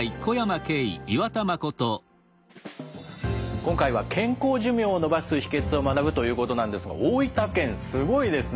今回は健康寿命を延ばす秘けつを学ぶということなんですが大分県すごいですね。